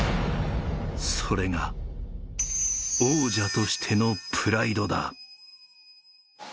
それが王者としてのプライドだ。